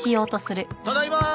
ただいま。